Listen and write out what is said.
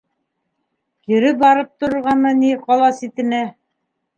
Кире барып торорғамы ни ҡала ситенә?